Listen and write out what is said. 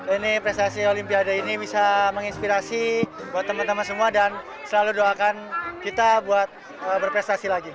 ini prestasi olimpiade ini bisa menginspirasi buat teman teman semua dan selalu doakan kita buat berprestasi lagi